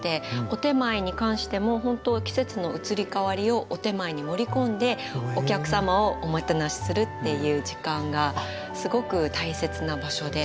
お点前に関しても本当季節の移り変わりをお点前に盛り込んでお客様をおもてなしするっていう時間がすごく大切な場所で。